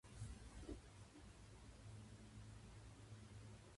バスに乗る。